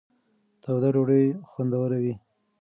توده ډوډۍ خوندوره وي.